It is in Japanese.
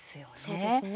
そうですね。